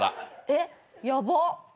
えっヤバッ。